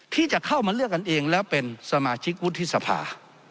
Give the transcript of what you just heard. ที่จะเข้ามาเลือกกันเองแล้วเป็นสมาชิกวุฒิสภา